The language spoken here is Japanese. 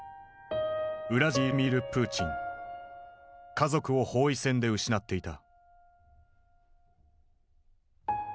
家族を包囲戦で失っていた。